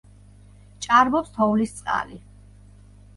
ჭარბობს თოვლის წყალი.